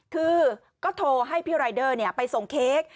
คือก็โทรให้พี่รายเดอร์ไปส่งเค้ก